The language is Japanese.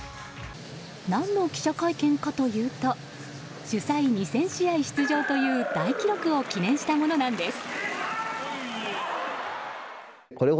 何の記者会見かというと主催２０００試合出場という大記録を記念したものなんです。